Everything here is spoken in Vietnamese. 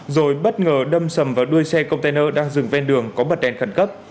rồi bất ngờ đâm sầm vào đuôi xe container đang dừng ven đường có bật đèn khẩn cấp